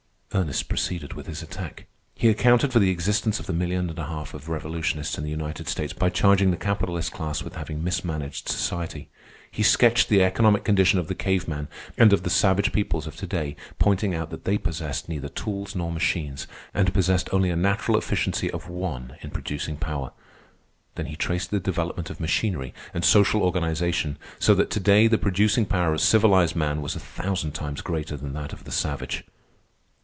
Ernest proceeded with his attack. He accounted for the existence of the million and a half of revolutionists in the United States by charging the capitalist class with having mismanaged society. He sketched the economic condition of the cave man and of the savage peoples of to day, pointing out that they possessed neither tools nor machines, and possessed only a natural efficiency of one in producing power. Then he traced the development of machinery and social organization so that to day the producing power of civilized man was a thousand times greater than that of the savage.